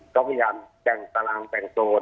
ก็พยายามแต่งตารางแต่งโจร